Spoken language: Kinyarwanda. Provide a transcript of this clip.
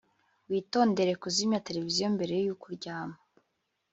witondere kuzimya televiziyo mbere yuko uryama